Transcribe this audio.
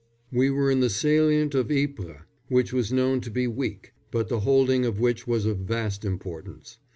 We were in the salient of Ypres which was known to be weak, but the holding of which was of vast importance.